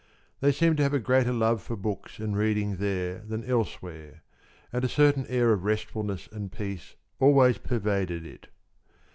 They seemed to have a greater love for books and reading there than elsewhere, and a certain air of restfulness and peace always pervaded it.